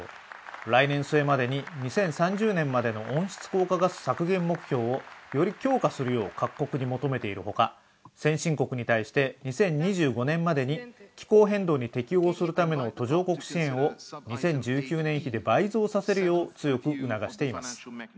来年末までに２０３０年までの温室効果ガス削減目標をより強化するよう各国に求めているほか、先進国に対して２０２５年までに気候変動に適応するための途上国支援を２０１９年比で倍増させるよう強く促しています。